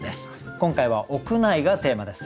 今回は「屋内」がテーマです。